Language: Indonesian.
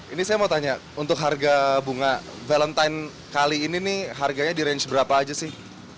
ini saya mau tanya untuk harga bunga valentine kali ini nih harganya di range berapa aja sih